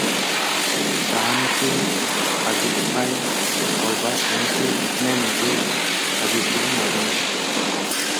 কাহিনীটো আজোককাই ক'ৰবাত শুনিছিল নে নিজেই সাজিছিল নাজানো।